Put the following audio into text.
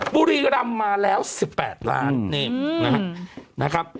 บุรีรำมาแล้ว๑๘ล้านนี่นะครับ